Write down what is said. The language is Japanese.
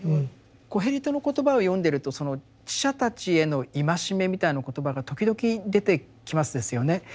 「コヘレトの言葉」を読んでるとその知者たちへの戒めみたいな言葉が時々出てきますですよね。